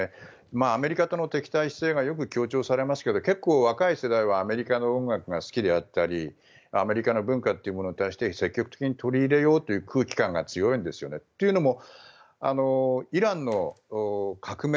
アメリカとの敵対姿勢がよく強調されますけど結構、若い世代はアメリカの音楽が好きであったりアメリカの文化に対して積極的に取り入れようという空気感が強いんですよね。というのも、イランの革命